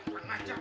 bang ajar tuh